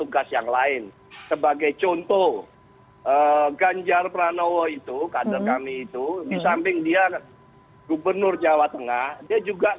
ketua dpp pdi perjuangan